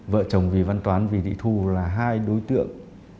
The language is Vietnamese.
vợ chồng vì văn toán vì thị thù là hai đối tượng